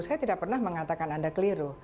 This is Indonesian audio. saya tidak pernah mengatakan anda keliru